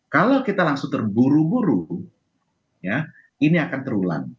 kalau kita langsung terburu buru ya ini akan terulang